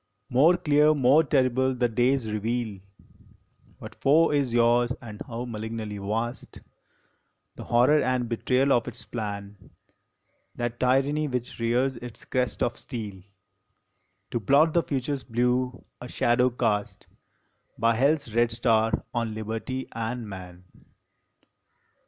More clear, more terrible, the days reveal What foe is yours, and how malignly vast The horror and betrayal of its plan That tyranny which rears its crest of steel To blot the Future s blue, a shadow cast By Hell s red star on Liberty and Man.